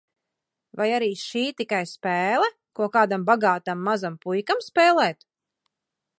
Vai arī šī tikai spēle, ko kādam bagātam, mazam puikam spēlēt?